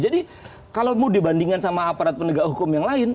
jadi kalau dibandingkan sama aparat penegak hukum yang lain